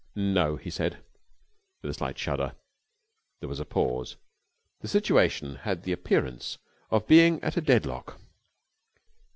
'No,' he said, with a slight shudder. There was a pause. The situation had the appearance of being at a deadlock.